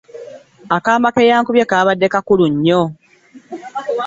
Akaama ke yankubye kaabadde kakulu nnyo.